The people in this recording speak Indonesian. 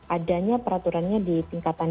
adanya peraturannya di tingkatan